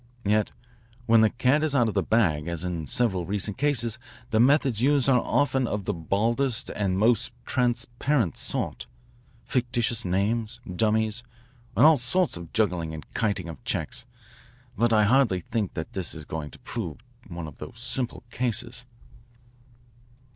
Yet when the cat is out of the bag as in several recent cases the methods used are often of the baldest and most transparent sort, fictitious names, dummies, and all sorts of juggling and kiting of checks. But I hardly think this is going to prove one of those simple cases."